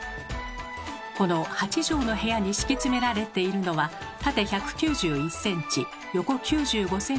この８畳の部屋に敷き詰められているのは縦１９１ｃｍ横９５ｃｍの京間の畳。